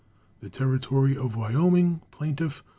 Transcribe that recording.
The Territory of Wyoming, plt'ff.